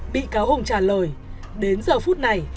bị cáo hùng trả lời đến giờ phút này